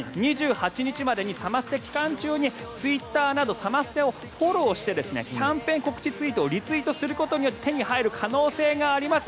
２８日までのサマステ期間中にツイッターなどサマステをフォローしてキャンペーン告知ツイートをリツイートすることで手に入る可能性があります。